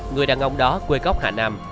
người đàn ông đó quê góc hà nam